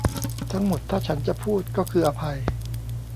ทั้งหมดถ้าฉันจะพูดก็คืออภัย